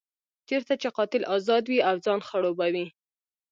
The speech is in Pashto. چېرته چې قاتل ازاد وي او ځان خړوبوي.